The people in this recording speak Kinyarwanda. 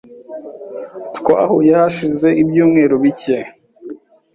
Twahuye hashize ibyumweru bike .